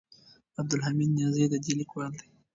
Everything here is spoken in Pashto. عبدالحمید نیازی د دې لیکوال دی.